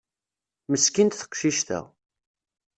Meskint teqcict-a.